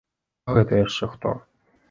А гэта яшчэ хто?